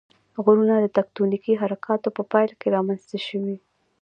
غرونه د تکتونیکي حرکاتو په پایله کې رامنځته شوي.